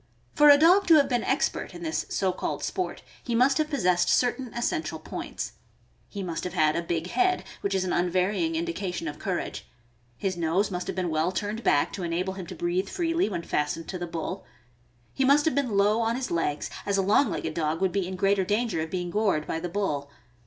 Fora dog to have been expert in this so called sport, he must have possessed certain essential, points. He must have had a big head, which is an unvarying indication of courage; Ms nose must have been well turned back to enable him to breathe freely when fastened to the bull; he must have been low on his legs, as a long legged dog would be in greater danger of being gored by the bull.